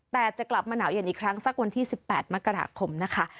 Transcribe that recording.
แต่จะกลับมาหนาวเย็นอีกครั้งสักวันที่๑๘มกราคมนะคะ